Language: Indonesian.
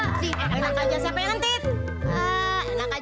enak aja saya penantit